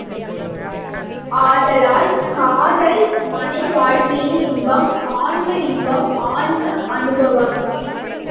ஆதலால், காதல் மனைவாழ்க்கையின்பம் ஆன்ம இன்பம் ஆன்ம அனுபவம்.